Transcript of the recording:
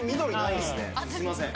すみません。